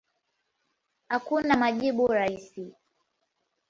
Hakuna majibu rahisi.